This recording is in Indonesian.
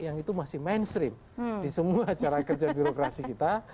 yang itu masih mainstream di semua cara kerja birokrasi kita